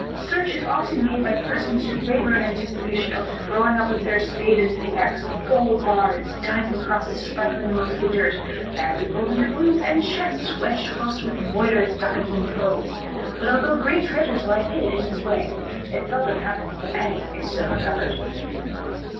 Search is often made by persons who labor in anticipation of throwing up with their spade and pickaxe, gold bars, diamond crosses sparkling amongst the dirt, bags of golden doubloons, and chests, wedged close with moidores, ducats and pearls; but although great treasures lie hid in this way, it seldom happens that any is so recovered.